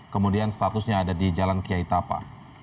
kemudian statusnya ada di jalan kiai tapa